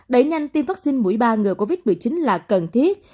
đẩy nhanh tiêm vaccine mũi ba ngừa covid một mươi chín là cần thiết